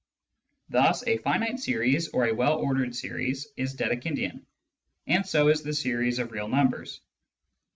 Thus a finite series or a well ordered series is Dedekindian, and so is the series of real numbers.